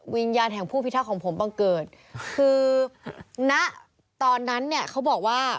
วิญญาณแห่งผู้พิทักษ์ของผมบังเกิดคือณตอนนั้นเนี่ยเขาบอกว่า